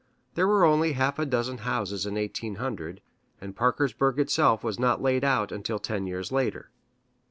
There were only half a dozen houses in 1800, and Parkersburg itself was not laid out until ten years later.